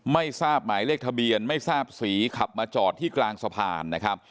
ไม่ทราบหมายเลขทะเบียนไม่ทราบสีขับมาจอดที่กลางสะพานนะครับ